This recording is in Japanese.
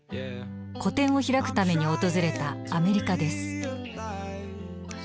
個展を開くために訪れたアメリカです。